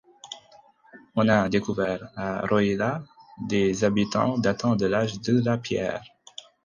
On a découvert à Röylä des habitations datant de l'âge de la pierre.